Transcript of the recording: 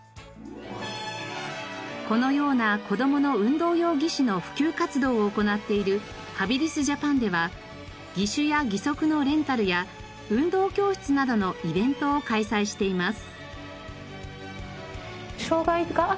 このような子どもの運動用義手の普及活動を行っているハビリスジャパンでは義手や義足のレンタルや運動教室などのイベントを開催しています。